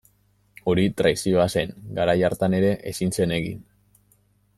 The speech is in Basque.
Hori traizioa zen, garai hartan ere ezin zen egin.